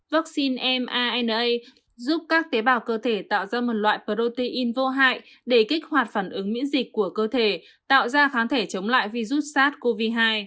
vaccine na giúp các tế bào cơ thể tạo ra một loại protein vô hại để kích hoạt phản ứng miễn dịch của cơ thể tạo ra kháng thể chống lại virus sars cov hai